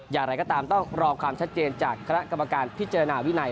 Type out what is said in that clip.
อย่างไรก็ตามต้องรอความชัดเจนจากคณะกรรมการพิจารณาวินัย